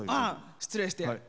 失礼して。